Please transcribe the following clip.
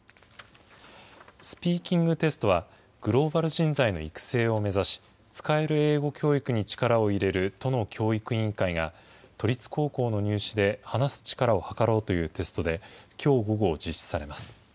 スピーキングテストは、グローバル人材の育成を目指し、使える英語教育に力をいれる都の教育委員会が、都立高校の入試で話す力をはかろうというテストで、きょう午後実施されます。